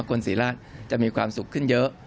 คนศรีราชจะมีความสุขขึ้นเยอะ